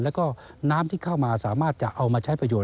แล้วก็น้ำที่เข้ามาสามารถจะเอามาใช้ประโยชน